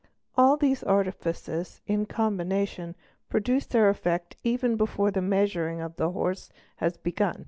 All these artifices in combination produce their effect even before the measuring of the horse is begun.